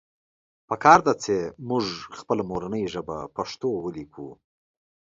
پکار ده چې مونږ خپله مورنۍ ژبه پښتو وليکو